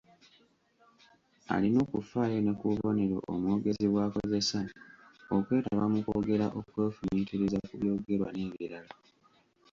Alina okufaayo ne ku bubonero omwogezi bw’akozesa, okwetaba mu kwogera okwefumiitiriza ku byogerwa n’ebirala.